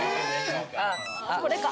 ・これか・